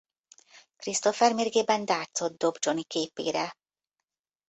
Christopher mérgében dartsot dob Johnny képére.